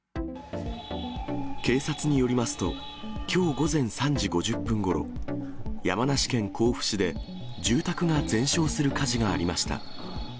警察によりますと、きょう午前３時５０分ごろ、山梨県甲府市で、住宅が全焼する火事がありました。